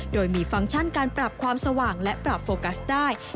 โดยมีฟังก์ชั่นการปรับความสว่างและปรับโฟกัสได้